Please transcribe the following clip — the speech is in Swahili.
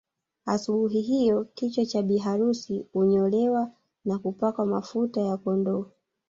Asubuhi hiyo kichwa cha bi harusi unyolewa na hupakwa mafuta ya kondoo